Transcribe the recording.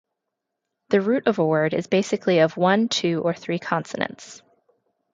The root of a word is basically of one, two or three consonants.